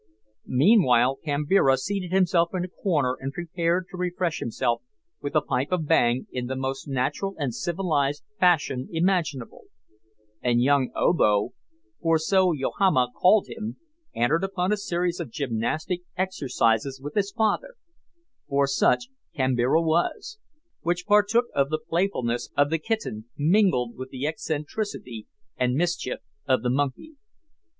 Meanwhile Kambira seated himself in a corner and prepared to refresh himself with a pipe of bang in the most natural and civilised fashion imaginable; and young Obo for so Yohama called him entered upon a series of gymnastic exercises with his father for such Kambira was which partook of the playfulness of the kitten, mingled with the eccentricity and mischief of the monkey.